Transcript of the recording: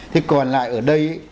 thế còn lại ở đây